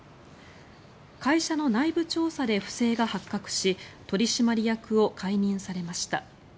会社の内部調査で不正が発覚し取締役を解任されました。